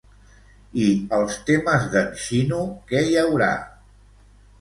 I als temes d'en Xino què hi haurà?